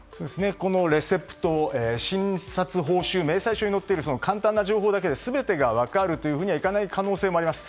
レセプト、診察報酬明細書に載っている簡単な情報だけで全てが分かるというふうにはいかない可能性もあります。